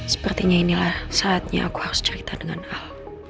sepertinya inilah saatnya aku harus cerita dengan hal